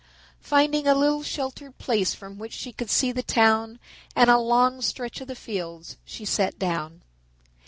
Finding a little sheltered place from which she could see the town and a long stretch of the fields, she sat down.